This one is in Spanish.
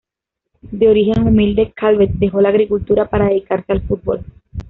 De origen humilde, Calvet dejó la agricultura para dedicarse al fútbol.